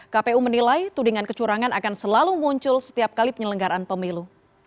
kpu menilai tudingan kecurangan akan selalu muncul setiap kali penyelenggaraan pemilu